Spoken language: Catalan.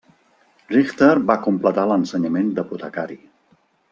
Richter va completar l'ensenyament d'apotecari.